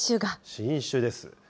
新種です。